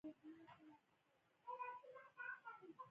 په لاتینه امریکا کې ډیموکراسي له یوې محدودې ډلې سره په ټکر کې ده.